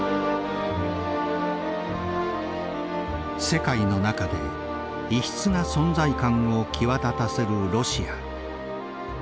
世界の中で異質な存在感を際立たせるロシア。